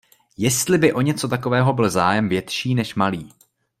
Jestli by o něco takového byl zájem větší než malý.